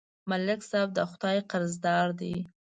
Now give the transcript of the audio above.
ملک صاحب د خدای قرضدار دی.